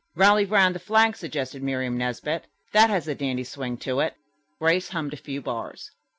"'Rally Round the Flag,'" suggested Miriam Nesbit. "That has a dandy swing to it." Grace hummed a few bars.